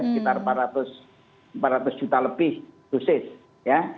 sekitar empat ratus juta lebih dosis ya